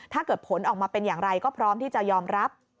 ถ้าเกิดผลออกมาเป็นอย่างไรก็พร้อมที่จะยอมรับ